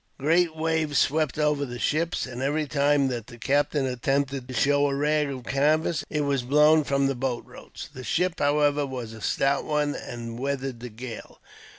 Great waves swept over the ship, and every time that the captain attempted to show a rag of canvas, it was blown from the bolt ropes. The ship, however, was a stout one, and weathered the gale.